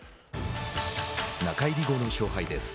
中入り後の勝敗です。